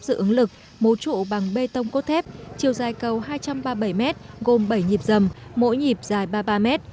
dự ứng lực mối trụ bằng bê tông cốt thép chiều dài cầu hai trăm ba mươi bảy m gồm bảy nhịp rầm mỗi nhịp dài ba mươi ba mét